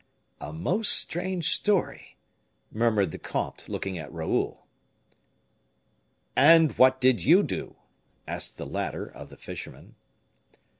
'" "A most strange story!" murmured the comte, looking at Raoul. "And what did you do?" asked the latter of the fisherman.